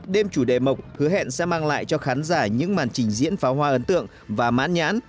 đêm chủ đề mộc hứa hẹn sẽ mang lại cho khán giả những màn trình diễn pháo hoa ấn tượng và mãn nhãn